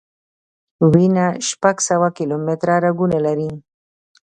وینه شپږ سوه کیلومټره رګونه لري.